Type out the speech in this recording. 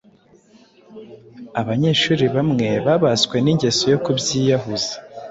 Abanyeshuri bamwe babaswe n’ingeso yo kubyiyahuza.